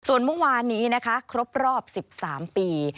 ส่วนมุมวานนี้ครบรอบ๑๓ปี